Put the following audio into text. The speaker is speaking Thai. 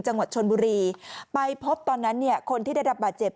จังหวัดชนบุรีไปพบตอนนั้นเนี่ยคนที่ได้รับบาดเจ็บ